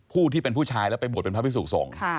ที่เป็นผู้ชายแล้วไปบวชเป็นพระพิสุขสงฆ์